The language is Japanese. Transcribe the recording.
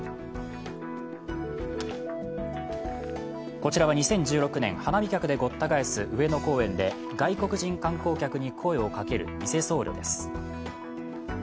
こちらは２０１６年、花見客でごった返す上野公園で外国人観光客に声をかける偽僧侶です。